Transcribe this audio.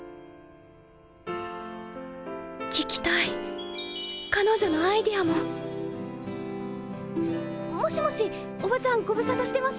聞きたい彼女のアイデアももしもしおばちゃんご無沙汰してます。